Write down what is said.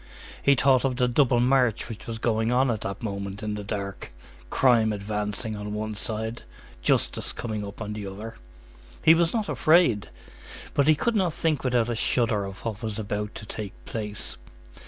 He thought of the double march which was going on at that moment in the dark,—crime advancing on one side, justice coming up on the other. He was not afraid, but he could not think without a shudder of what was about to take place.